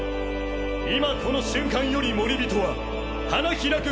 今この瞬間よりモリビトは花開く